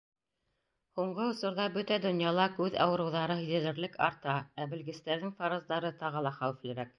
Һуңғы осорҙа бөтә донъяла күҙ ауырыуҙары һиҙелерлек арта, ә белгестәрҙең фараздары тағы ла хәүефлерәк.